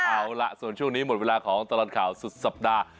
เอาล่ะส่วนช่วงนี้หมดเวลาของตลอดข่าวสุดสัปดาห์